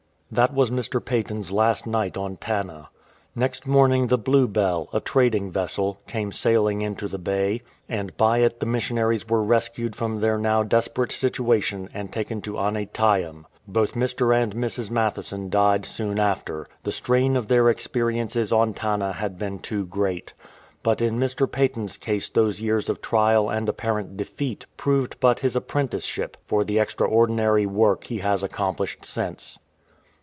That was Mr. Paton's last night on Tanna. Next morning the Blue Bell, a trading vessel, came sailing into the bay, and by it the missionaries were rescued from their now desperate situation and taken to Aneityum. Both Mr. and Mrs. Mathieson died soon after. The strain of their experiences on Tanna had been too great. But in Mr. Paton's case those years of trial and apparent defeat proved but his apprenticeship for the extraordinary work he has accomplished since.